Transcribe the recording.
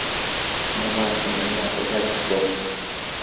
mamaatam allaapa llakiyku.